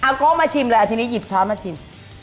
อะก็มาชิมเลยอันที่นี้หยิบช้อนมาชิม